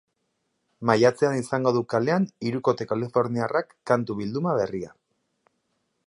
Maiatzean izango du kalean hirukote kaliforniarrak kantu-bilduma berria.